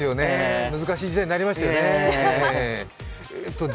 難しい時代になりましたよね。